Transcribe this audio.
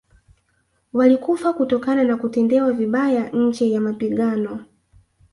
Walikufa kutokana na kutendewa vibaya nje ya mapigano